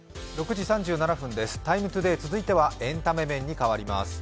「ＴＩＭＥ，ＴＯＤＡＹ」続いてはエンタメ面に変わります。